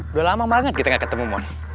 udah lama banget kita gak ketemu moni